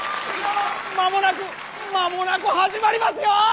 間もなく間もなく始まりますよ！